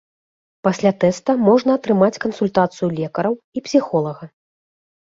Пасля тэста можна атрымаць кансультацыю лекараў і псіхолага.